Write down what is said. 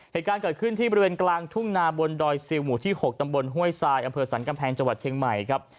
เหตุการณ์เกิดขึ้นที่บริเวณกลางทุ่งนาบนดอยซิลหมู่ที่๖ตำบลห้วยทรายอำเภอสรรกำแพงจังหวัดเชียงใหม่ครับ